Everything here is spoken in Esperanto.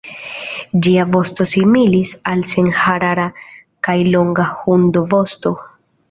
Ĝia vosto similis al senharara kaj longa hundovosto.